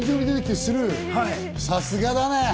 さすがだね。